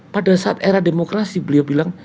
pada saat era demokrasi beliau bilang